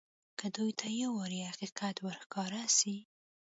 که دوى ته يو وار حقيقت ورښکاره سي.